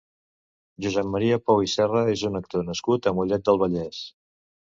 Josep Maria Pou i Serra és un actor nascut a Mollet del Vallès.